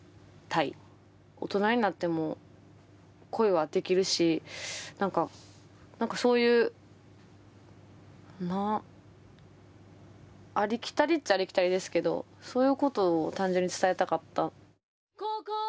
大人になっても恋はできるし何か何かそういうありきたりっちゃありきたりですけどそういうことを単純に伝えたかった。